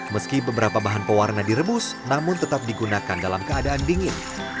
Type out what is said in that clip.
meski beberapa bahan pewarna direbus namun tetap digunakan dalam keadaan dingin